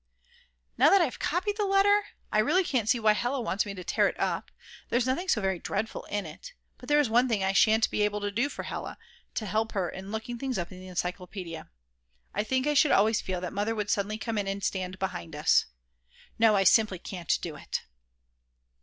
Now that I have copied the letter, I really can't see why Hella wants me to tear it up. There's nothing so very dreadful in it. But there is one thing I shan't be able to do for Hella, to help her in looking up things in the encyclopedia. I think I should always feel that Mother would suddenly come in and stand behind us. No, I simply can't do it.